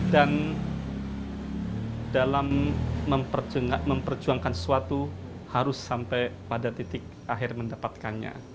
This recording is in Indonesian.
dan dalam memperjuangkan sesuatu harus sampai pada titik akhir mendapatkannya